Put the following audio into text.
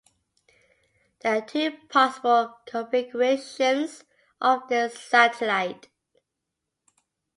There are two possible configurations of this satellite.